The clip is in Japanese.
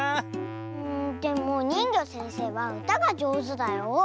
でもにんぎょせんせいはうたがじょうずだよ。